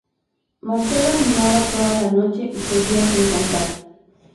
Marcelo animaba toda la noche y seguía sin cantar.